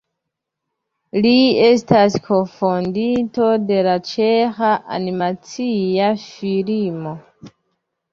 Li estas kunfondinto de la Ĉeĥa Animacia Filmo.